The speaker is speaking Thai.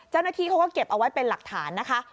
เจ้าหน้าที่เขาก็เก็บเอาไว้เป็นหลักฐานนะคะ